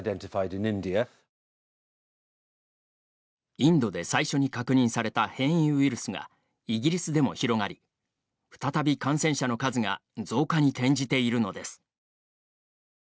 インドで最初に確認された変異ウイルスがイギリスでも広がり再び感染者の数が増加に転じているのです。